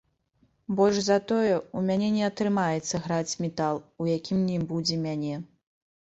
Больш за тое, у мяне не атрымаецца граць метал, у якім не будзе мяне!